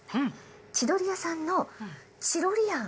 千鳥屋さんのチロリアン。